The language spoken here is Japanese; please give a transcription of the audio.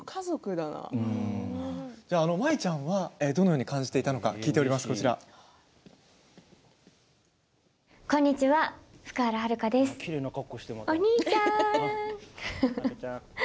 舞ちゃんはどのように感じていたのか聞いています。